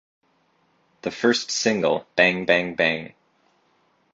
The first single "Bang Bang Bang".